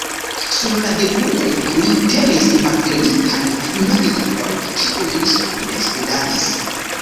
Sur la genuoj li tenis malfermitan notlibron, kiun li ŝajne studadis.